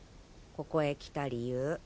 ここへ来た理由。